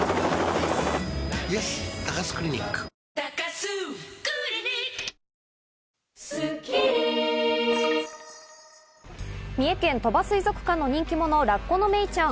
数えると全部で三重県鳥羽水族館の人気者、ラッコのメイちゃん。